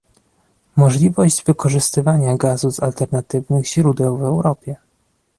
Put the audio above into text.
Możliwość wykorzystywania gazu z alternatywnych źródeł w Europie